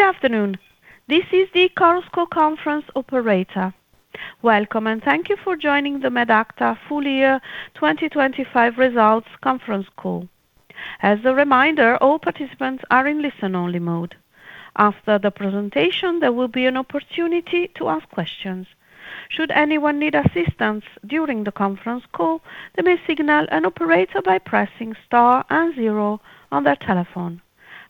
Good afternoon. This is the Chorus Call Conference operator. Welcome, and thank you for joining the Medacta Full Year 2025 Results Conference Call. As a reminder, all participants are in listen-only mode. After the presentation, there will be an opportunity to ask questions. Should anyone need assistance during the conference call, they may signal an operator by pressing star and zero on their telephone.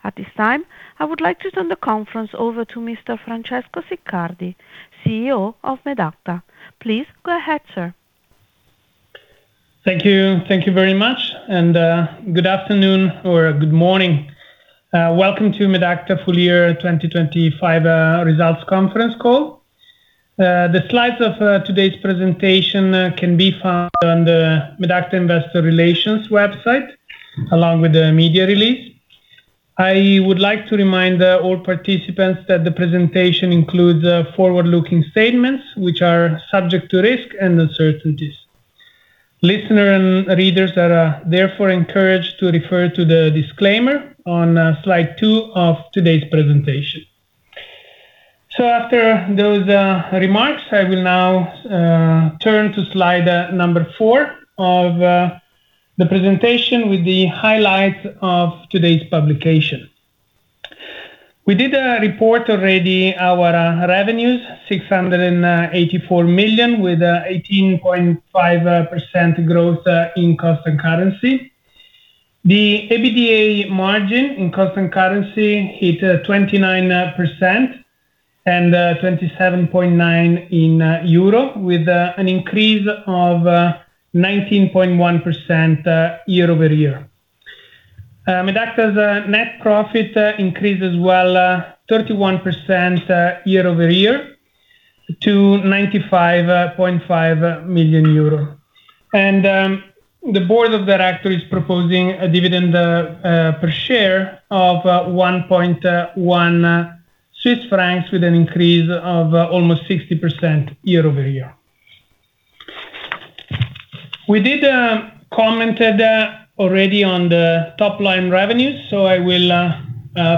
At this time, I would like to turn the conference over to Mr. Francesco Siccardi, CEO of Medacta. Please go ahead, sir. Thank you. Thank you very much, and good afternoon or good morning. Welcome to Medacta Full Year 2025 Results Conference Call. The slides of today's presentation can be found on the Medacta investor relations website, along with the media release. I would like to remind all participants that the presentation includes forward-looking statements, which are subject to risks and uncertainties. Listeners and readers are therefore encouraged to refer to the disclaimer on slide two of today's presentation. After those remarks, I will now turn to slide number four of the presentation with the highlights of today's publication. We reported our revenues, 684 million with 18.5% growth in constant currency. The EBITDA margin in constant currency hit 29% and 27.9% in EUR, with an increase of 19.1% year-over-year. Medacta's net profit increased as well 31% year-over-year to 95.5 million euro. The board of director is proposing a dividend per share of 1.1 Swiss francs with an increase of almost 60% year-over-year. We did commented already on the top line revenues. I will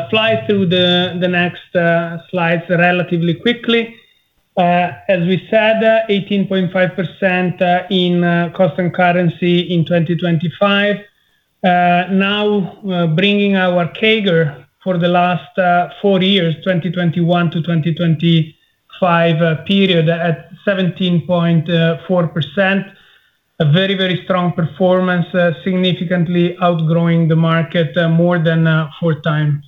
fly through the next slides relatively quickly. As we said, 18.5% in constant currency in 2025. Now we're bringing our CAGR for the last four years, 2021-2025, period at 17.4%. A very, very strong performance, significantly outgrowing the market, more than 4x.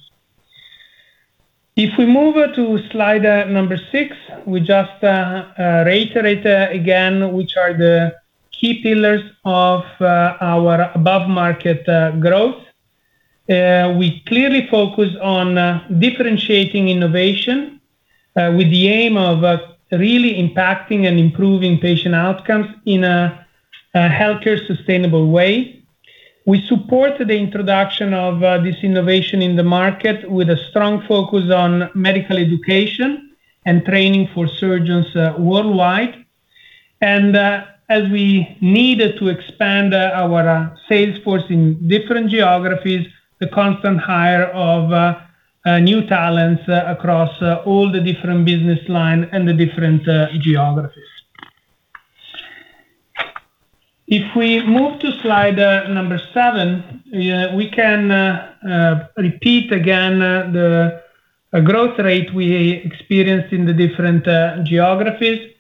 If we move to slide number six, we just reiterate again which are the key pillars of our above-market growth. We clearly focus on differentiating innovation with the aim of really impacting and improving patient outcomes in a sustainable healthcare way. We support the introduction of this innovation in the market with a strong focus on medical education and training for surgeons worldwide. As we needed to expand our sales force in different geographies, the constant hiring of new talents across all the different business line and the different geographies. If we move to slide number seven, we can repeat again the growth rate we experienced in the different geographies.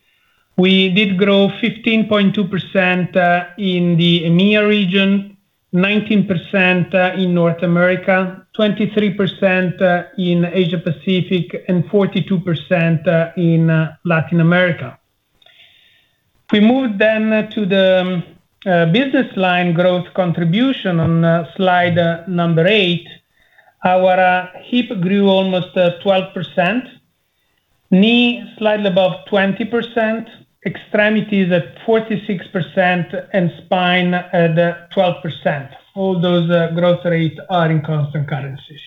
We did grow 15.2% in the EMEIA region, 19% in North America, 23% in Asia Pacific, and 42% in Latin America. We move then to the business line growth contribution on slide number eight. Our hip grew almost 12%, knee slightly above 20%, extremities at 46%, and spine at 12%. All those growth rates are in constant currencies.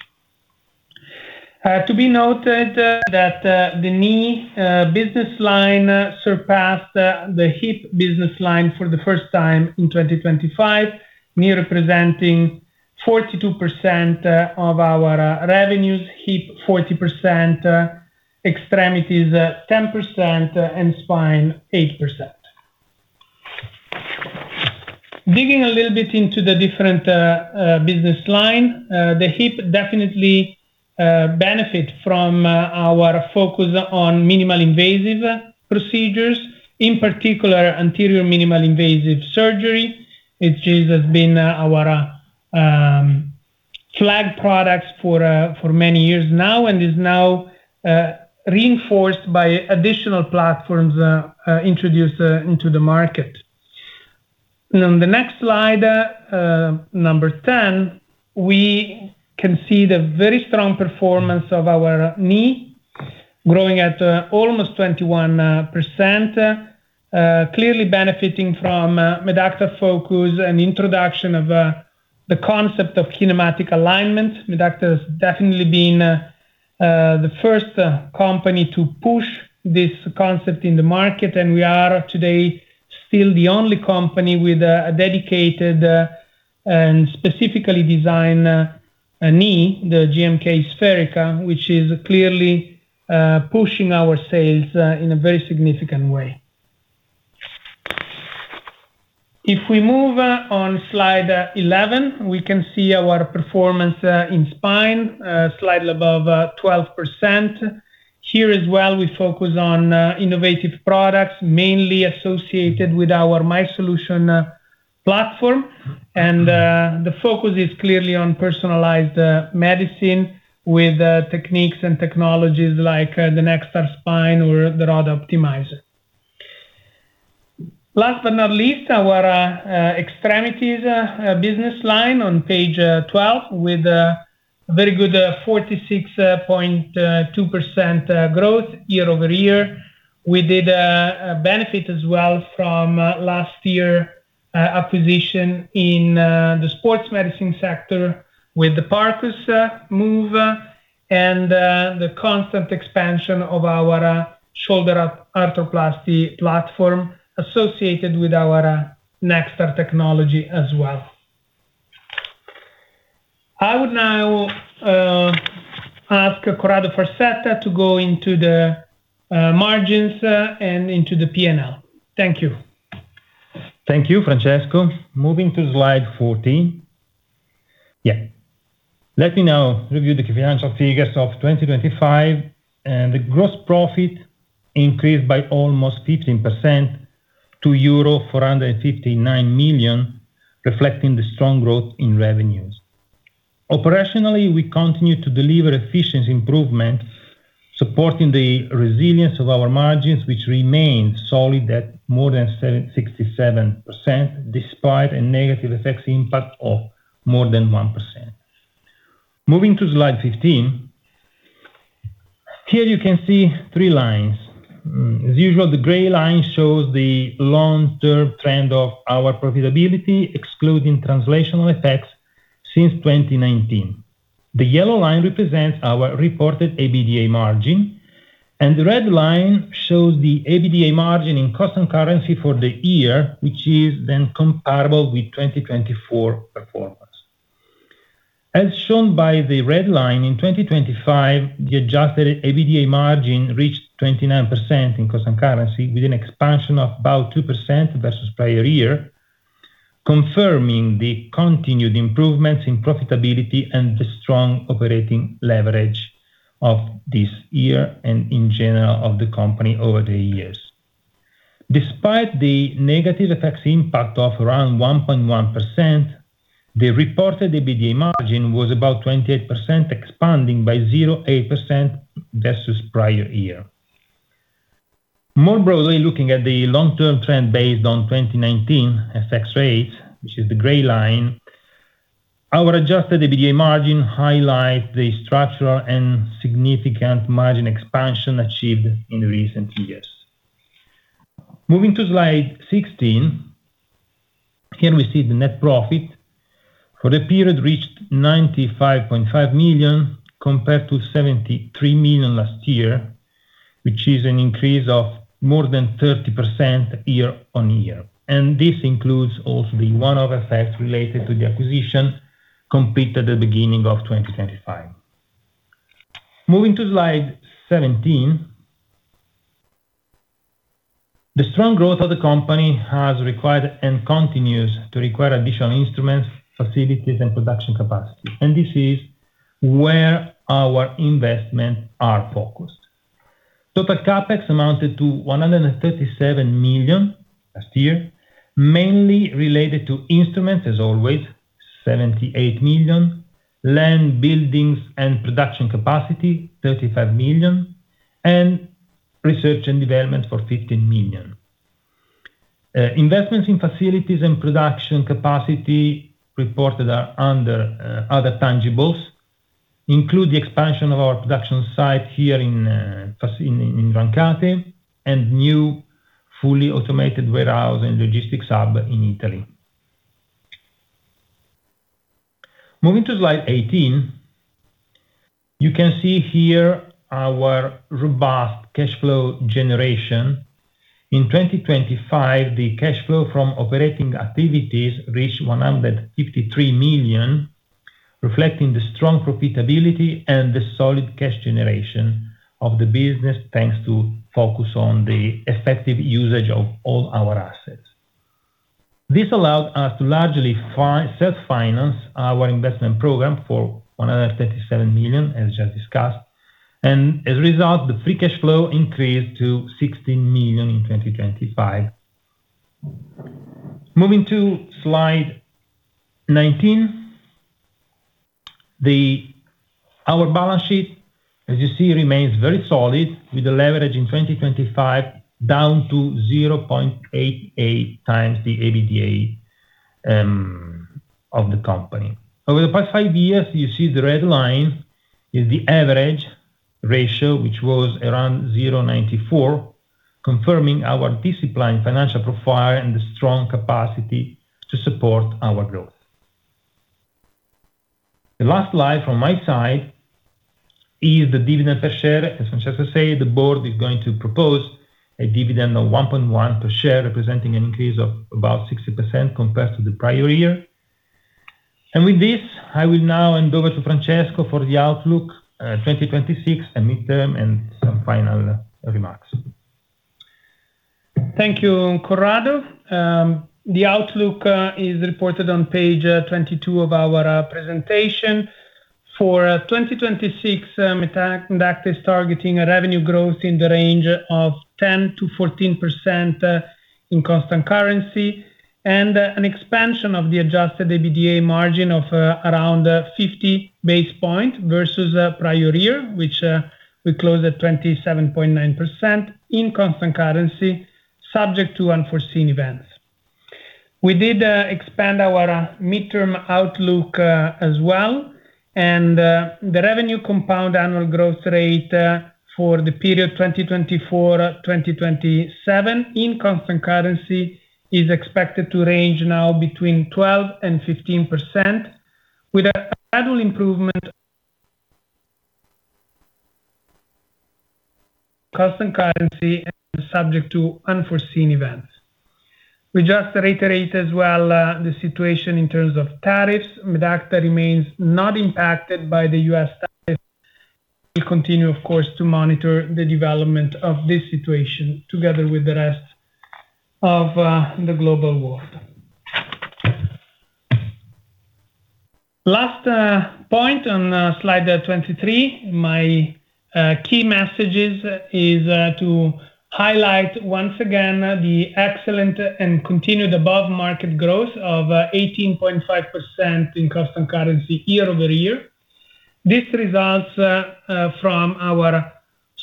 To be noted that the knee business line surpassed the hip business line for the first time in 2025. Knee representing 42% of our revenues, hip 40%, extremities 10%, and spine 8%. Digging a little bit into the different business line, the hip definitely benefit from our focus on minimally invasive procedures, in particular anterior minimally invasive surgery, which has been our flag products for many years now and is now reinforced by additional platforms introduced into the market. On the next slide, number ten, we can see the very strong performance of our knee growing at almost 21%, clearly benefiting from Medacta focus and introduction of the concept of kinematic alignment. Medacta has definitely been the first company to push this concept in the market, and we are today still the only company with a dedicated and specifically designed knee, the GMK SpheriKA, which is clearly pushing our sales in a very significant way. If we move on slide 11, we can see our performance in Spine, slightly above 12%. Here as well, we focus on innovative products, mainly associated with our MySolutions platform. The focus is clearly on personalized medicine with techniques and technologies like the NextAR Spine or the Rod Optimizer. Last but not least, our extremities business line on page 12 with a very good 46.2% growth year-over-year. We did benefit as well from last year's acquisition in the sports medicine sector with the Parcus move, and the constant expansion of our shoulder arthroplasty platform associated with our NextAR technology as well. I would now ask Corrado Farsetta to go into the margins, and into the P&L. Thank you. Thank you, Francesco. Moving to slide 14. Yeah. Let me now review the financial figures of 2025. The gross profit increased by almost 15% to euro 459 million, reflecting the strong growth in revenues. Operationally, we continue to deliver efficiency improvement, supporting the resilience of our margins, which remained solid at more than 77%, despite a negative FX impact of more than 1%. Moving to slide 15. Here you can see three lines. As usual, the gray line shows the long-term trend of our profitability, excluding translational effects since 2019. The yellow line represents our reported EBITDA margin, and the red line shows the EBITDA margin in constant currency for the year, which is then comparable with 2024 performance. As shown by the red line, in 2025, the Adjusted EBITDA margin reached 29% in constant currency, with an expansion of about 2% versus prior year, confirming the continued improvements in profitability and the strong operating leverage of this year and in general of the company over the years. Despite the negative FX impact of around 1.1%, the reported EBITDA margin was about 28%, expanding by 0.8% versus prior year. More broadly, looking at the long-term trend based on 2019 FX rates, which is the gray line, our Adjusted EBITDA margin highlight the structural and significant margin expansion achieved in recent years. Moving to slide 16. Here we see the net profit for the period reached 95.5 million, compared to 73 million last year, which is an increase of more than 30% year-over-year. This includes also the one-off effects related to the acquisition completed at the beginning of 2025. Moving to slide 17. The strong growth of the company has required and continues to require additional instruments, facilities, and production capacity, and this is where our investments are focused. Total CapEx amounted to 137 million last year, mainly related to instruments as always, 78 million. Land, buildings, and production capacity, 35 million. Research and development for 15 million. Investments in facilities and production capacity reported are under other tangibles include the expansion of our production site here in Rancate, and new fully automated warehouse and logistics hub in Italy. Moving to slide 18. You can see here our robust cash flow generation. In 2025, the cash flow from operating activities reached 153 million, reflecting the strong profitability and the solid cash generation of the business, thanks to focus on the effective usage of all our assets. This allowed us to largely self-finance our investment program for 137 million, as just discussed. As a result, the free cash flow increased to 16 million in 2025. Moving to slide 19. Our balance sheet, as you see, remains very solid with the leverage in 2025 down to 0.88x the EBITDA of the company. Over the past five years, you see the red line is the average ratio, which was around 0.94, confirming our disciplined financial profile and the strong capacity to support our growth. The last slide from my side is the dividend per share. As Francesco said, the board is going to propose a dividend of 1.1 per share, representing an increase of about 60% compared to the prior year. With this, I will now hand over to Francesco for the outlook, 2026 and midterm and some final remarks. Thank you, Corrado. The outlook is reported on page 22 of our presentation. For 2026, Medacta is targeting a revenue growth in the range of 10%-14% in constant currency and an expansion of the Adjusted EBITDA margin of around 50 basis points versus prior year, which we closed at 27.9% in constant currency, subject to unforeseen events. We did expand our midterm outlook as well. The revenue compound annual growth rate for the period 2024-2027 in constant currency is expected to range now between 12%-15%, with a gradual improvement constant currency and subject to unforeseen events. We just reiterate as well the situation in terms of tariffs. Medacta remains not impacted by the U.S. tariffs. We continue, of course, to monitor the development of this situation together with the rest of the global world. Last point on slide 23, my key messages is to highlight once again the excellent and continued above-market growth of 18.5% in constant currency year-over-year. This results from our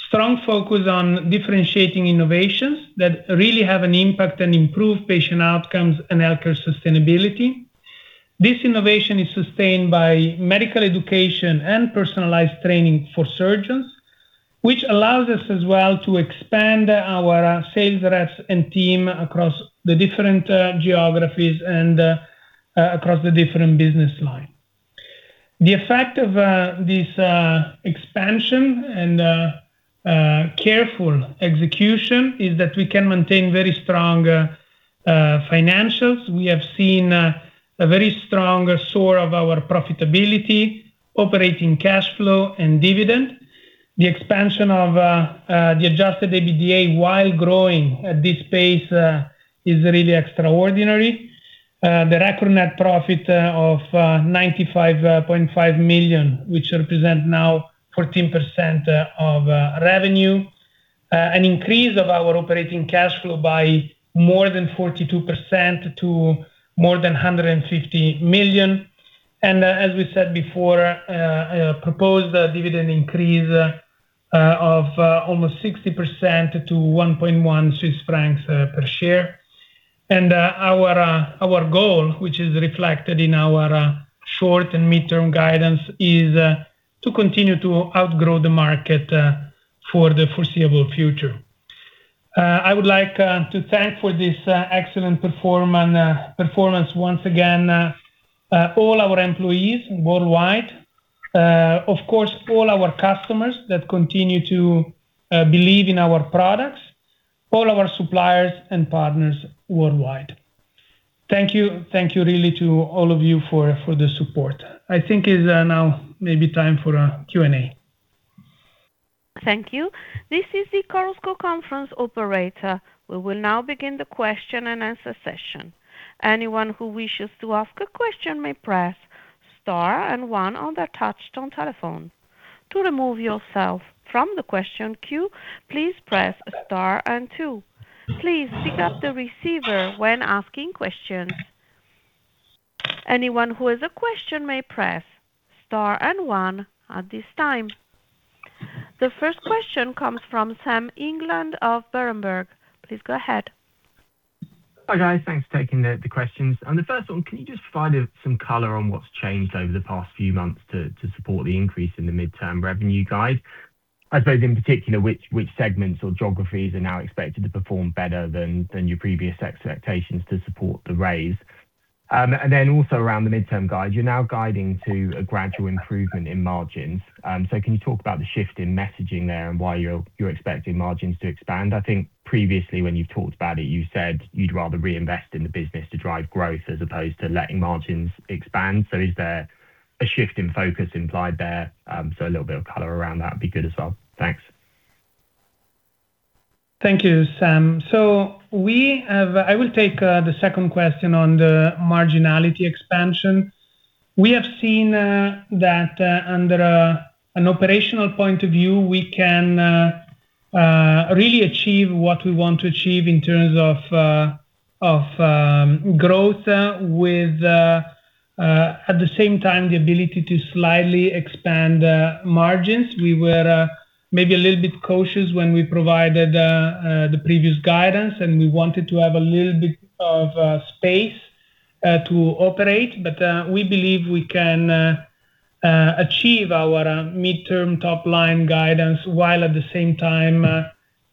strong focus on differentiating innovations that really have an impact and improve patient outcomes and healthcare sustainability. This innovation is sustained by medical education and personalized training for surgeons, which allows us as well to expand our sales reps and team across the different geographies and across the different business line. The effect of this expansion and careful execution is that we can maintain very strong financials. We have seen a very strong soaring of our profitability, operating cash flow and dividend. The expansion of the Adjusted EBITDA while growing at this pace is really extraordinary. The record net profit of 95.5 million, which represent now 14% of revenue. An increase of our operating cash flow by more than 42% to more than 150 million. As we said before, proposed dividend increase of almost 60% to 1.1 Swiss francs per share. Our goal, which is reflected in our short and midterm guidance, is to continue to outgrow the market for the foreseeable future. I would like to thank for this excellent performance once again all our employees worldwide, of course, all our customers that continue to believe in our products, all our suppliers and partners worldwide. Thank you. Thank you really to all of you for the support. I think is now maybe time for Q&A. Thank you. This is the Chorus Call conference operator. We will now begin the question and answer session. Anyone who wishes to ask a question may press star and one on their touchtone telephone. To remove yourself from the question queue, please press star and two. Please pick up the receiver when asking questions. Anyone who has a question may press star and one at this time. The first question comes from Sam England of Berenberg. Please go ahead. Hi, guys. Thanks for taking the questions. The first one, can you just provide some color on what's changed over the past few months to support the increase in the midterm revenue guide? I suppose in particular, which segments or geographies are now expected to perform better than your previous expectations to support the raise? Then also around the midterm guide, you're now guiding to a gradual improvement in margins. Can you talk about the shift in messaging there and why you're expecting margins to expand? I think previously when you've talked about it, you said you'd rather reinvest in the business to drive growth as opposed to letting margins expand. Is there a shift in focus implied there? A little bit of color around that would be good as well. Thanks. Thank you, Sam. I will take the second question on the margin expansion. We have seen that under an operational point of view, we can really achieve what we want to achieve in terms of growth with, at the same time, the ability to slightly expand margins. We were maybe a little bit cautious when we provided the previous guidance, and we wanted to have a little bit of space to operate. We believe we can achieve our midterm top line guidance while at the same time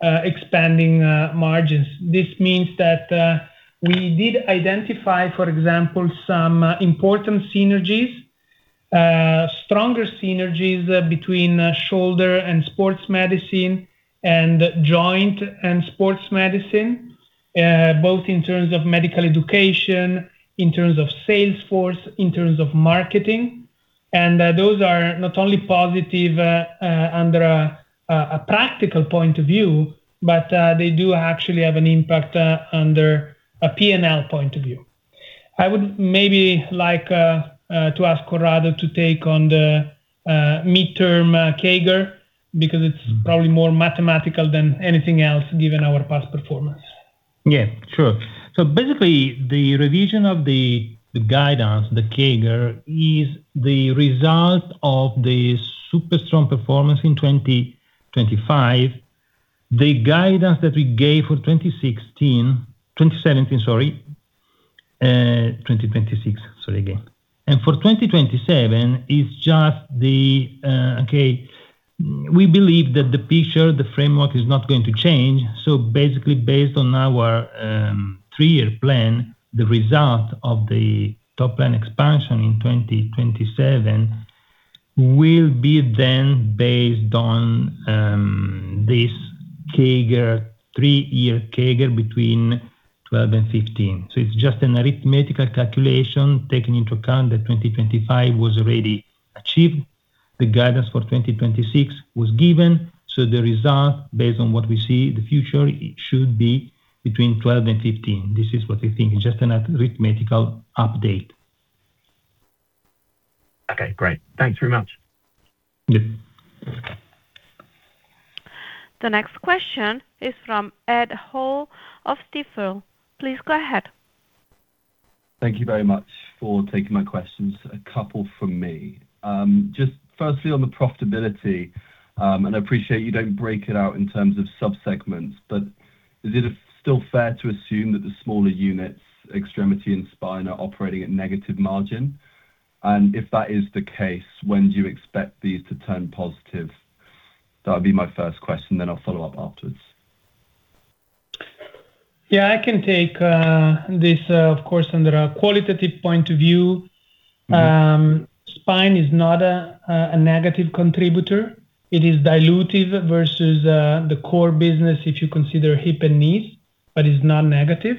expanding margins. This means that we did identify, for example, some important synergies. Stronger synergies between shoulder and sports medicine and joint and sports medicine both in terms of medical education, in terms of sales force, in terms of marketing. Those are not only positive under a practical point of view, but they do actually have an impact under a P&L point of view. I would maybe like to ask Corrado to take on the midterm CAGR, because it's probably more mathematical than anything else, given our past performance. Yeah, sure. Basically, the revision of the guidance, the CAGR, is the result of the super strong performance in 2025. The guidance that we gave for 2026. For 2027, it's just okay. We believe that the picture, the framework is not going to change. Basically based on our three-year plan, the result of the top line expansion in 2027 will be then based on this CAGR, three-year CAGR between 12% and 15%. It's just an arithmetical calculation, taking into account that 2025 was already achieved. The guidance for 2026 was given, so the result, based on what we see in the future, it should be between 12% and 15%. This is what we think, it's just an arithmetical update. Okay, great. Thanks very much. Yeah. The next question is from Ed Hall of Stifel. Please go ahead. Thank you very much for taking my questions. A couple from me. Just firstly on the profitability, and I appreciate you don't break it out in terms of sub-segments, but is it still fair to assume that the smaller units, extremity and spine, are operating at negative margin? If that is the case, when do you expect these to turn positive? That'd be my first question, then I'll follow up afterward. Yeah, I can take this, of course, under a qualitative point of view. Spine is not a negative contributor. It is dilutive versus the core business if you consider hip and knee, but it's not negative.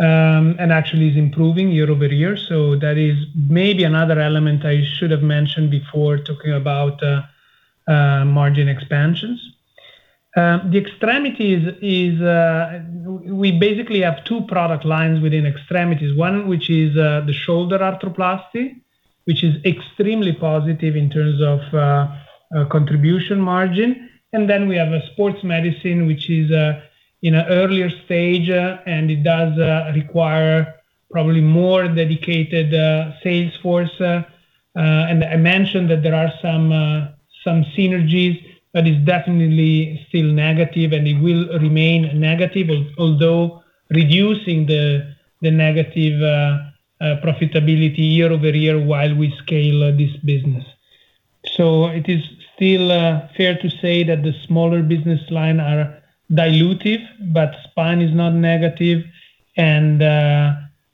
Actually, it is improving year-over-year. That is maybe another element I should have mentioned before talking about margin expansions. The extremities is we basically have two product lines within extremities. One, which is the shoulder arthroplasty, which is extremely positive in terms of contribution margin. Then we have a sports medicine, which is in an earlier stage, and it does require probably more dedicated sales force. I mentioned that there are some synergies, but it's definitely still negative and it will remain negative, although reducing the negative profitability year over year while we scale this business. It is still fair to say that the smaller business line are dilutive, but spine is not negative.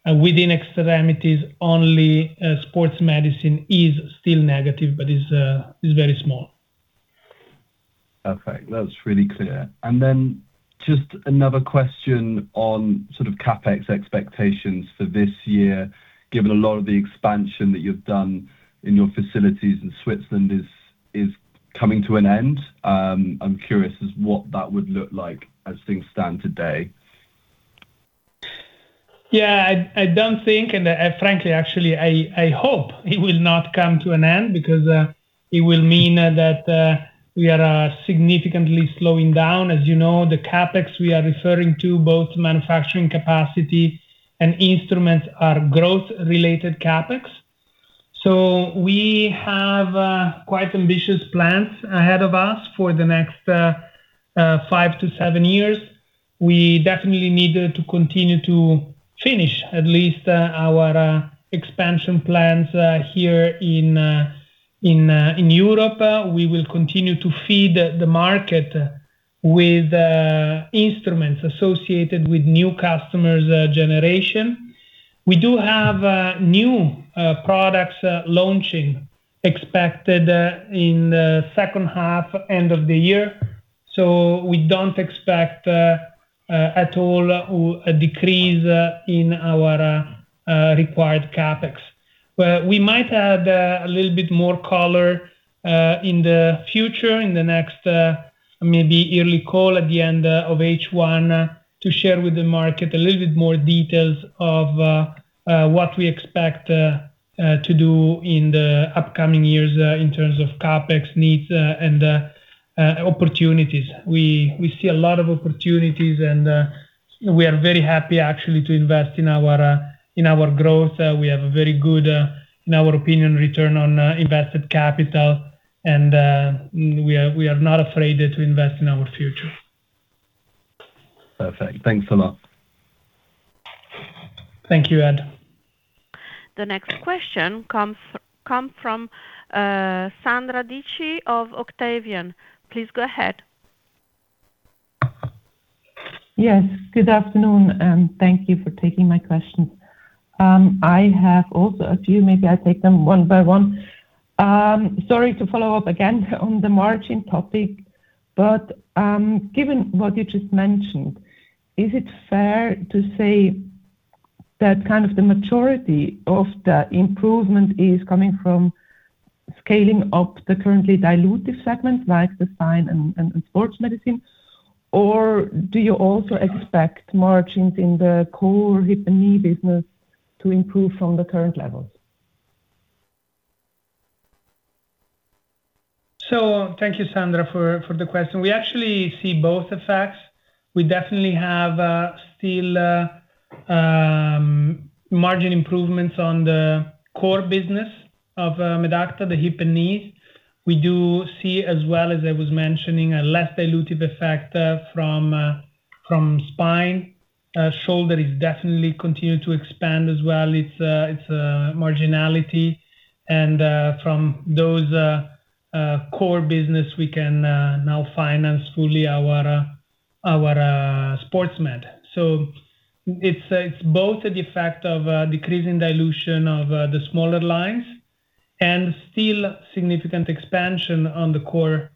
Within extremities only, sports medicine is still negative, but is very small. Okay, that's really clear. Just another question on sort of CapEx expectations for this year, given a lot of the expansion that you've done in your facilities in Switzerland is coming to an end. I'm curious as what that would look like as things stand today. I don't think, frankly, actually, I hope it will not come to an end because it will mean that we are significantly slowing down. As you know, the CapEx we are referring to, both manufacturing capacity and instrument are growth-related CapEx. We have quite ambitious plans ahead of us for the next five to seven years. We definitely need to continue to finish at least our expansion plans here in Europe. We will continue to feed the market with instruments associated with new customers generation. We do have new products launching expected in the second half, end of the year. We don't expect at all a decrease in our required CapEx. We might add a little bit more color in the future, in the next maybe yearly call at the end of H1, to share with the market a little bit more details of what we expect to do in the upcoming years in terms of CapEx needs and opportunities. We see a lot of opportunities and we are very happy actually to invest in our growth. We have a very good in our opinion return on invested capital and we are not afraid to invest in our future. Perfect. Thanks a lot. Thank you, Ed. The next question comes from Sandra Dicht of Octavian. Please go ahead. Yes, good afternoon, and thank you for taking my questions. I have also a few. Maybe I take them one by one. Sorry to follow up again on the margin topic, but, given what you just mentioned, is it fair to say that kind of the majority of the improvement is coming from scaling up the currently dilutive segment like the spine and sports medicine? Or do you also expect margins in the core hip and knee business to improve from the current levels? Thank you, Sandra, for the question. We actually see both effects. We definitely have still margin improvements on the core business of Medacta, the hip and knee. We do see as well, as I was mentioning, a less dilutive effect from spine. Shoulder is definitely continued to expand as well, its marginality. From those core business, we can now finance fully our sports med. It's both the effect of decreasing dilution of the smaller lines and still significant expansion on the core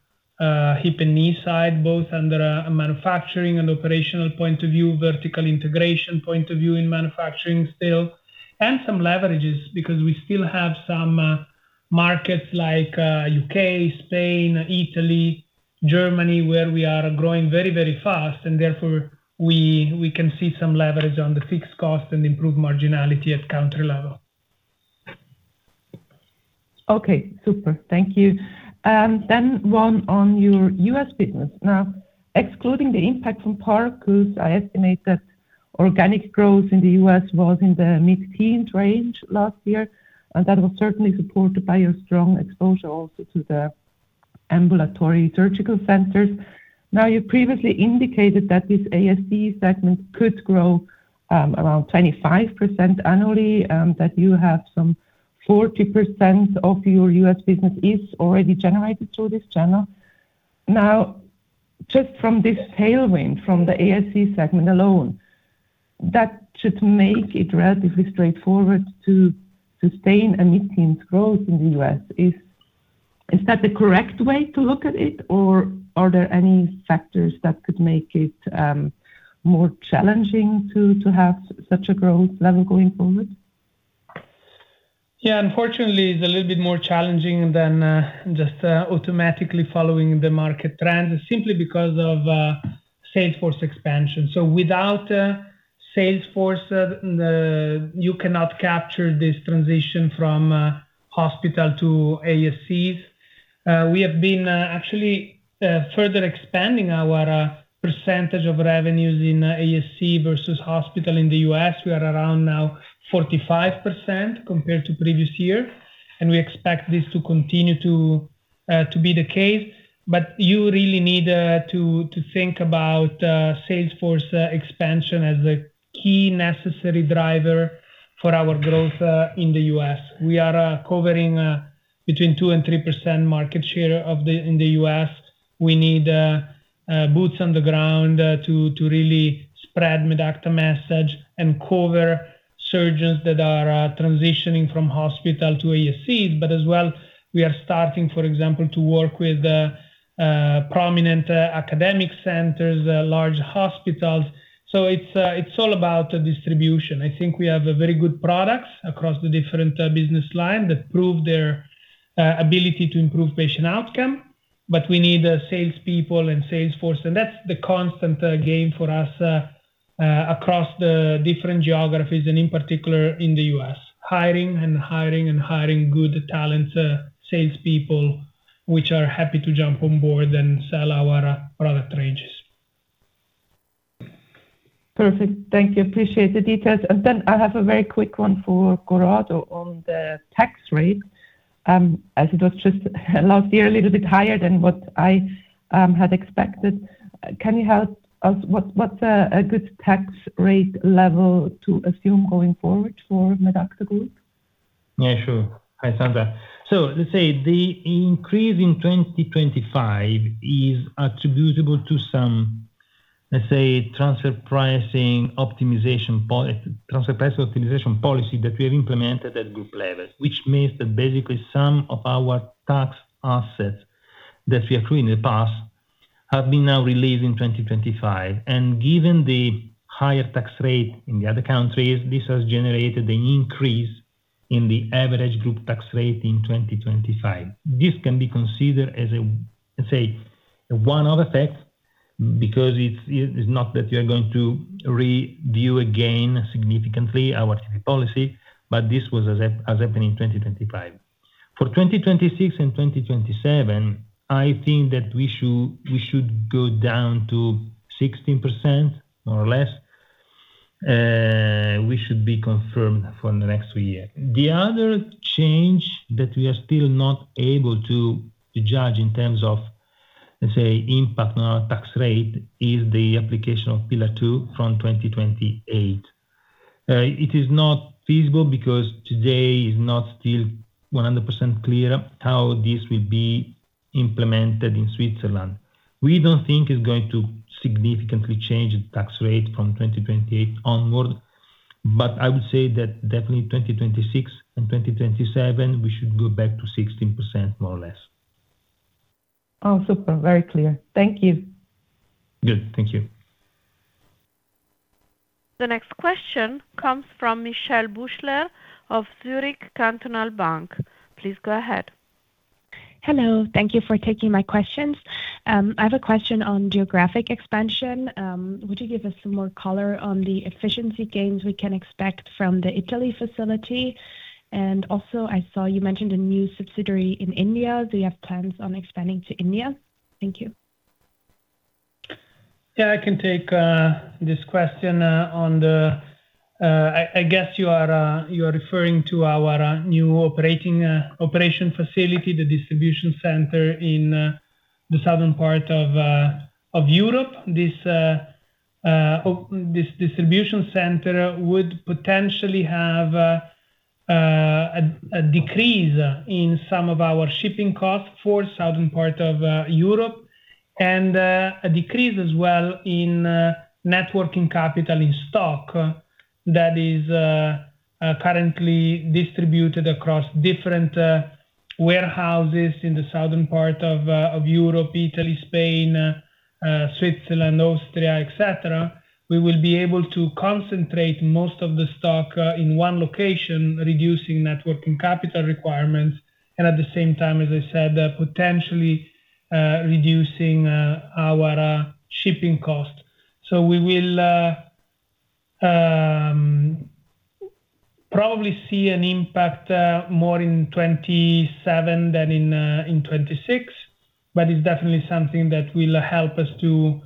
hip and knee side, both under a manufacturing and operational point of view, vertical integration point of view in manufacturing still. Some leverages because we still have some markets like U.K., Spain, Italy, Germany, where we are growing very, very fast, and therefore we can see some leverage on the fixed cost and improved marginality at country level. Okay. Super. Thank you. One on your U.S. business. Excluding the impact from Parcus, 'cause I estimate that organic growth in the U.S. was in the mid-teens range last year, and that was certainly supported by your strong exposure also to the ambulatory surgical centers. You previously indicated that this ASC segment could grow around 25% annually, that you have some 40% of your U.S. business is already generated through this channel. Just from this tailwind from the ASC segment alone, that should make it relatively straightforward to sustain a mid-teens growth in the U.S. Is that the correct way to look at it, or are there any factors that could make it more challenging to have such a growth level going forward? Yeah, unfortunately, it's a little bit more challenging than just automatically following the market trends simply because of sales force expansion. Without a sales force, you cannot capture this transition from hospital to ASCs. We have been actually further expanding our percentage of revenues in ASC versus hospital in the U.S. We are around now 45% compared to previous year, and we expect this to continue to be the case. You really need to think about sales force expansion as a key necessary driver for our growth in the U.S. We are covering between 2% and 3% market share in the U.S. We need boots on the ground to really spread Medacta message and cover surgeons that are transitioning from hospital to ASC. As well, we are starting, for example, to work with prominent academic centers, large hospitals. It's all about distribution. I think we have a very good products across the different business line that prove their ability to improve patient outcome. We need sales people and sales force, and that's the constant game for us across the different geographies and in particular in the U.S. Hiring good talent, sales people which are happy to jump on board and sell our product ranges. Perfect. Thank you. Appreciate the details. Then I have a very quick one for Corrado on the tax rate, as it was just last year, a little bit higher than what I had expected. Can you help us? What a good tax rate level to assume going forward for Medacta Group? Yeah, sure. Hi, Sandra. Let's say the increase in 2025 is attributable to some, let's say, transfer pricing optimization policy that we have implemented at group level, which means that basically some of our tax assets that we accrued in the past have been now relieved in 2025. Given the higher tax rate in the other countries, this has generated an increase in the average group tax rate in 2025. This can be considered as a, let's say, a one-off effect because it's not that we are going to review again significantly our tax policy, but this was happening in 2025. For 2026 and 2027, I think that we should go down to 16%, more or less. We should be confirmed for the next two years. The other change that we are still not able to judge in terms of Let's say impact on our tax rate is the application of Pillar Two from 2028. It is not feasible because today is not still 100% clear how this will be implemented in Switzerland. We don't think it's going to significantly change the tax rate from 2028 onward, but I would say that definitely 2026 and 2027, we should go back to 16% more or less. Oh, super. Very clear. Thank you. Good. Thank you. The next question comes from Michelle Buschler of Zurich Cantonal Bank. Please go ahead. Hello. Thank you for taking my questions. I have a question on geographic expansion. Would you give us some more color on the efficiency gains we can expect from the Italy facility? Also, I saw you mentioned a new subsidiary in India. Do you have plans on expanding to India? Thank you. Yeah, I can take this question. I guess you are referring to our new operation facility, the distribution center in the southern part of Europe. This distribution center would potentially have a decrease in some of our shipping costs for southern part of Europe and a decrease as well in net working capital in stock that is currently distributed across different warehouses in the southern part of Europe, Italy, Spain, Switzerland, Austria, etc. We will be able to concentrate most of the stock in one location, reducing net working capital requirements, and at the same time, as I said, potentially reducing our shipping costs. We will probably see an impact more in 2027 than in 2026, but it's definitely something that will help us to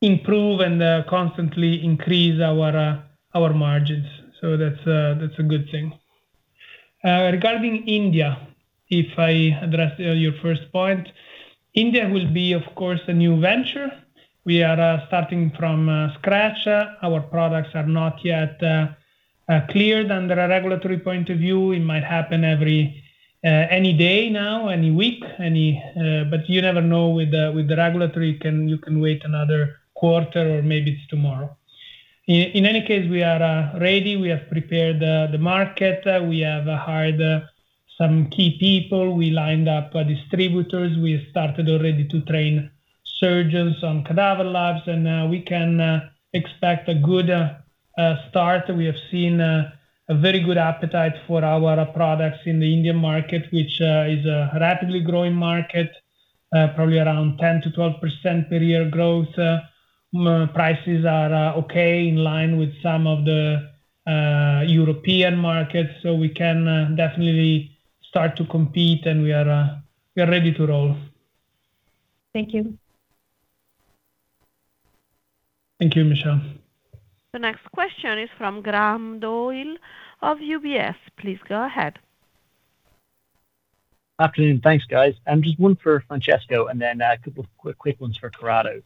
improve and constantly increase our margins. That's a good thing. Regarding India, if I address your first point, India will be, of course, a new venture. We are starting from scratch. Our products are not yet cleared under a regulatory point of view. It might happen any day now, any week, but you never know with the regulatory. You can wait another quarter, or maybe it's tomorrow. In any case, we are ready. We have prepared the market. We have hired some key people. We lined up distributors. We started already to train surgeons on cadaver labs, and we can expect a good start. We have seen a very good appetite for our products in the Indian market, which is a rapidly growing market, probably around 10%-12% per year growth. Prices are okay, in line with some of the European markets. We can definitely start to compete, and we are ready to roll. Thank you. Thank you, Michelle. The next question is from Graham Doyle of UBS. Please go ahead. Afternoon. Thanks, guys. Just one for Francesco and then a couple quick ones for Corrado.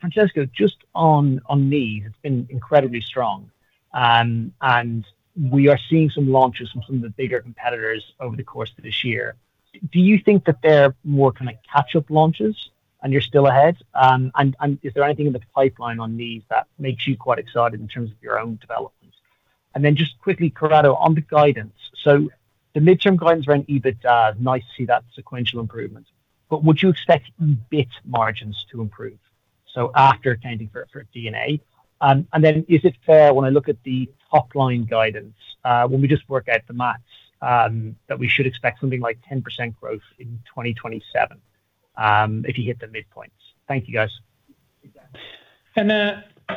Francesco, just on knee, it's been incredibly strong. We are seeing some launches from some of the bigger competitors over the course of this year. Do you think that they're more kind of catch-up launches and you're still ahead? Is there anything in the pipeline on knees that makes you quite excited in terms of your own developments? Just quickly, Corrado, on the guidance. The midterm guidance around EBITDA, nice to see that sequential improvement. Would you expect EBIT margins to improve, so after accounting for D&A? Is it fair, when I look at the top-line guidance, when we just work out the math, that we should expect something like 10% growth in 2027, if you hit the midpoints? Thank you, guys.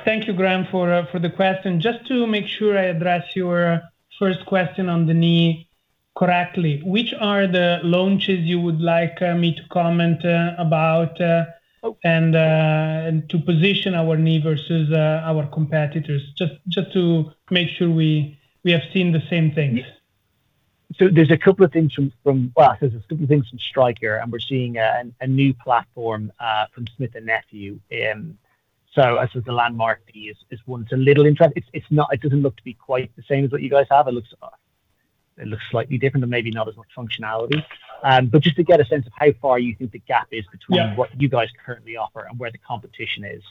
Thank you, Graham, for the question. Just to make sure I address your first question on the knee correctly, which are the launches you would like me to comment about and to position our knee versus our competitors? Just to make sure we have seen the same things. Yeah. There's a couple of things from Stryker, and we're seeing a new platform from Smith+Nephew. As the Landmark Knee is one that's a little interesting. It doesn't look to be quite the same as what you guys have. It looks slightly different and maybe not as much functionality. But just to get a sense of how far you think the gap is between- Yeah. What you guys currently offer and where the competition is.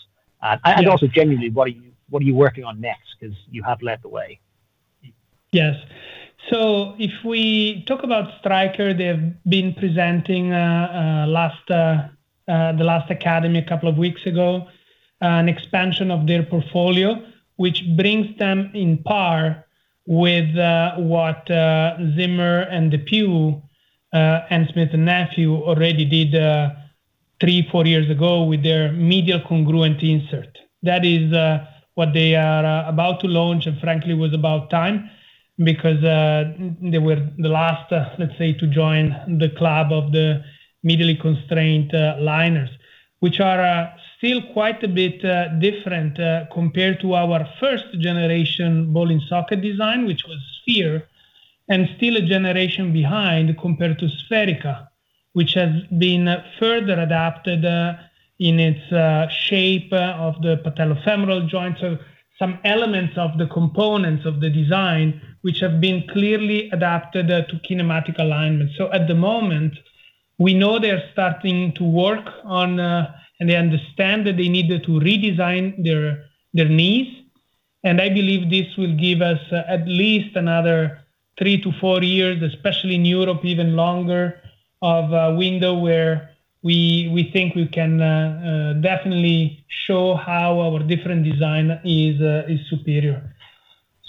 Also, genuinely, what are you working on next? 'Cause you have led the way. Yes. If we talk about Stryker, they've been presenting at the last academy a couple of weeks ago an expansion of their portfolio, which brings them on par with what Zimmer and DePuy and Smith & Nephew already did 3-4 years ago with their medial congruent insert. That is what they are about to launch, and frankly, was about time because they were the last, let's say, to join the club of the medially constrained liners. Which are still quite a bit different compared to our first generation ball-and-socket design, which was Sphere, and still a generation behind compared to SpheriKA, which has been further adapted in its shape of the patellofemoral joint. Some elements of the components of the design, which have been clearly adapted to kinematic alignment. At the moment, we know they're starting to work on and they understand that they needed to redesign their knees, and I believe this will give us at least another 3-4 years, especially in Europe, even longer, of a window where we think we can definitely show how our different design is superior.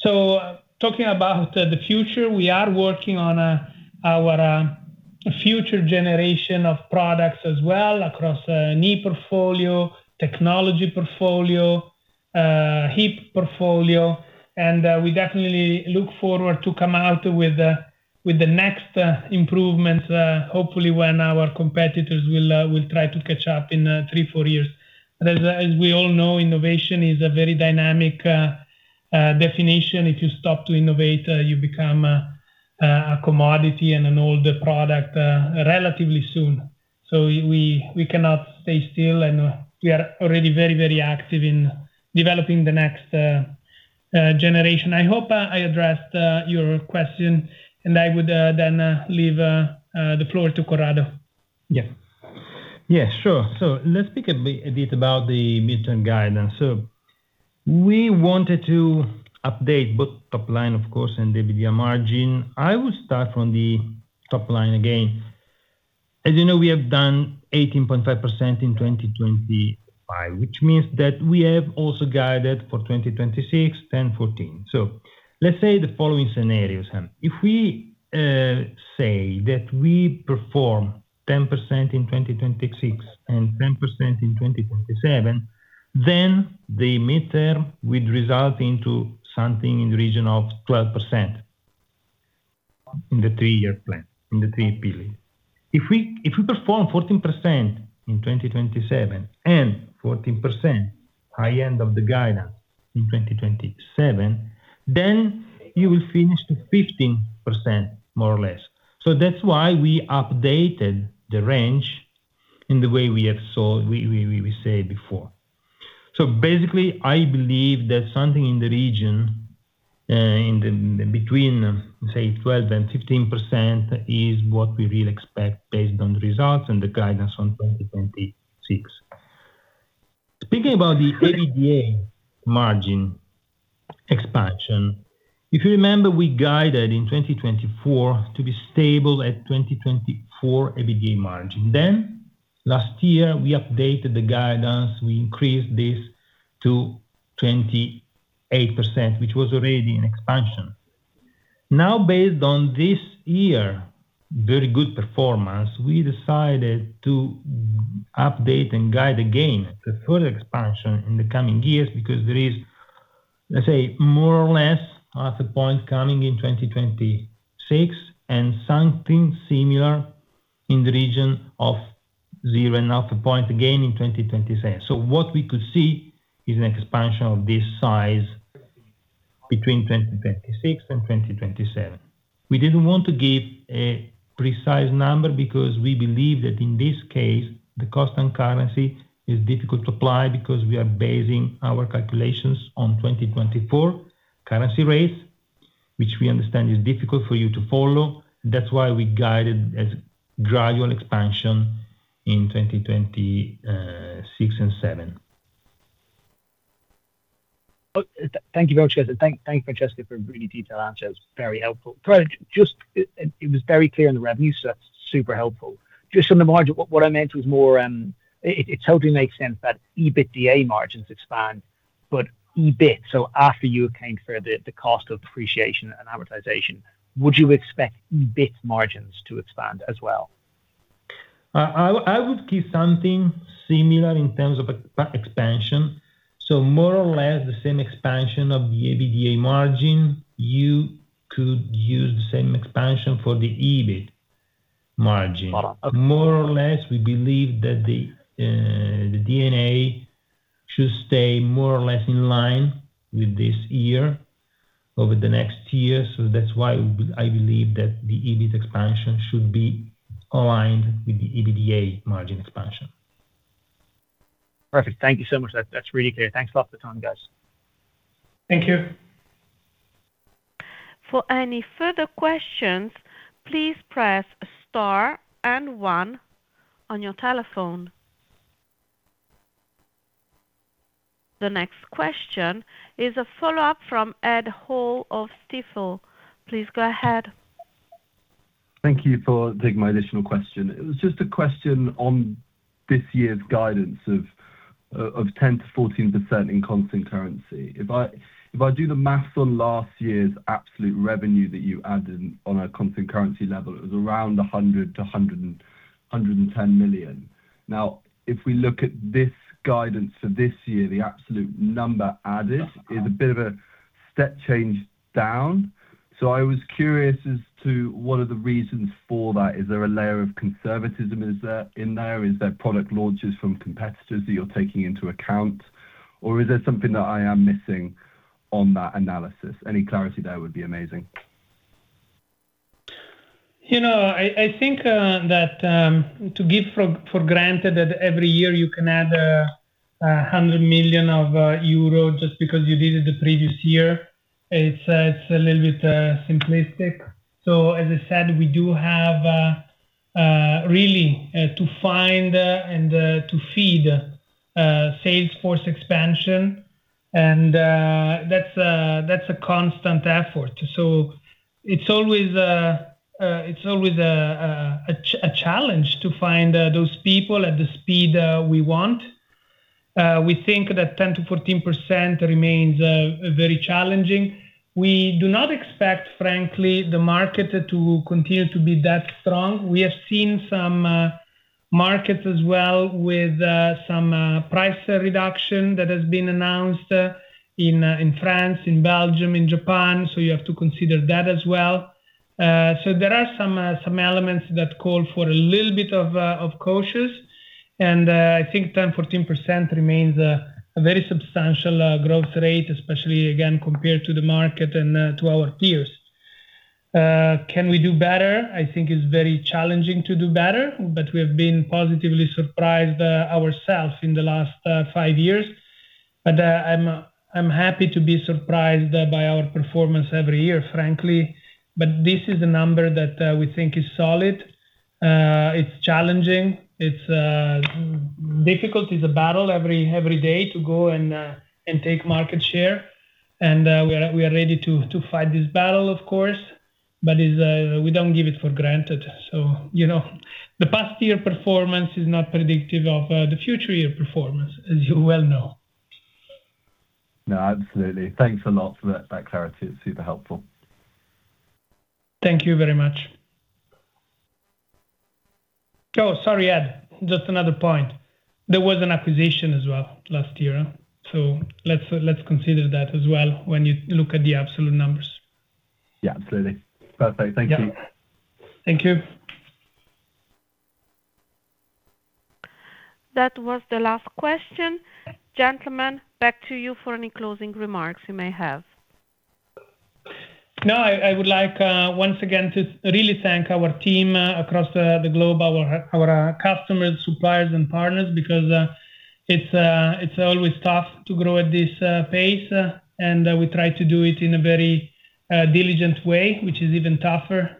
Talking about the future, we are working on our future generation of products as well across knee portfolio, technology portfolio, hip portfolio, and we definitely look forward to come out with the next improvement, hopefully when our competitors will try to catch up in 3-4 years. As we all know, innovation is a very dynamic definition. If you stop to innovate, you become a commodity and an older product relatively soon. We cannot stay still, and we are already very active in developing the next generation. I hope I addressed your question, and I would then leave the floor to Corrado. Yeah. Yeah, sure. Let's speak a bit about the midterm guidance. We wanted to update both top line, of course, and EBITDA margin. I will start from the top line again. As you know, we have done 18.5% in 2025, which means that we have also guided for 2026, 10%-14%. Let's say the following scenarios happen. If we say that we perform 10% in 2026 and 10% in 2027, then the midterm would result into something in the region of 12% in the three-year plan, in the three-year CAGR. If we perform 14% in 2027 and 14% high end of the guidance in 2027, then you will finish to 15% more or less. That's why we updated the range in the way we said before. Basically, I believe that something in the region between, say, 12%-15% is what we will expect based on the results and the guidance on 2026. Speaking about the EBITDA margin expansion, if you remember, we guided in 2024 to be stable at 2024 EBITDA margin. Last year, we updated the guidance. We increased this to 28%, which was already an expansion. Now, based on this year very good performance, we decided to update and guide again the further expansion in the coming years because there is, let's say, more or less half a point coming in 2026 and something similar in the region of 0.5 of a point again in 2027. What we could see is an expansion of this size between 2026 and 2027. We didn't want to give a precise number because we believe that in this case, the cost and currency is difficult to apply because we are basing our calculations on 2024 currency rates, which we understand is difficult for you to follow. That's why we guided as gradual expansion in 2026 and 2027. Oh, thank you very much, guys. Thank Francesco for a really detailed answer. It was very helpful. Corrado, it was very clear on the revenue, so that's super helpful. Just on the margin, what I meant was more, it totally makes sense that EBITDA margins expand, but EBIT, so after you account for the cost of depreciation and amortization, would you expect EBIT margins to expand as well? I would give something similar in terms of expansion. More or less the same expansion of the EBITDA margin, you could use the same expansion for the EBIT margin. Okay. More or less, we believe that the D&A should stay more or less in line with this year over the next year. That's why I believe that the EBIT expansion should be aligned with the EBITDA margin expansion. Perfect. Thank you so much. That's really clear. Thanks a lot for the time, guys. Thank you. For any further questions, please press star and one on your telephone. The next question is a follow-up from Ed Hall of Stifel. Please go ahead. Thank you for taking my additional question. It was just a question on this year's guidance of 10%-14% in constant currency. If I do the math on last year's absolute revenue that you added on a constant currency level, it was around 100 million-110 million. Now, if we look at this guidance for this year, the absolute number added is a bit of a step change down. I was curious as to what are the reasons for that? Is there a layer of conservatism in there? Is there product launches from competitors that you are taking into account? Or is there something that I am missing on that analysis? Any clarity there would be amazing. You know, I think that to take for granted that every year you can add 100 million euro just because you did it the previous year, it's a little bit simplistic. As I said, we do have really to find and to feed sales force expansion and that's a constant effort. It's always a challenge to find those people at the speed we want. We think that 10%-14% remains very challenging. We do not expect, frankly, the market to continue to be that strong. We have seen some markets as well with some price reduction that has been announced in France, in Belgium, in Japan, so you have to consider that as well. There are some elements that call for a little bit of caution, and I think 10%-14% remains a very substantial growth rate, especially again, compared to the market and to our peers. Can we do better? I think it's very challenging to do better, but we have been positively surprised ourselves in the last five years. I'm happy to be surprised by our performance every year, frankly. This is a number that we think is solid. It's challenging. It's difficult. It's a battle every day to go and take market share. We are ready to fight this battle, of course, but we don't give it for granted. You know, the past year performance is not predictive of the future year performance, as you well know. No, absolutely. Thanks a lot for that clarity. It's super helpful. Thank you very much. Oh, sorry, Ed. Just another point. There was an acquisition as well last year, so let's consider that as well when you look at the absolute numbers. Yeah, absolutely. Perfect. Thank you. Yeah. Thank you. That was the last question. Gentlemen, back to you for any closing remarks you may have. No, I would like once again to really thank our team across the globe, our customers, suppliers and partners, because it's always tough to grow at this pace, and we try to do it in a very diligent way, which is even tougher.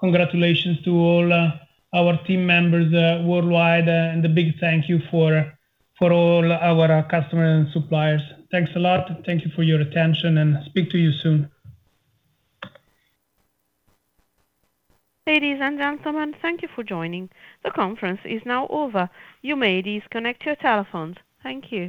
Congratulations to all our team members worldwide, and a big thank you for all our customers and suppliers. Thanks a lot. Thank you for your attention, and speak to you soon. Ladies and gentlemen, thank you for joining. The conference is now over. You may disconnect your telephones. Thank you.